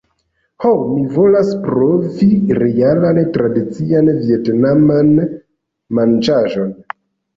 Ho, mi volas provi realan tradician vjetnaman manĝaĵon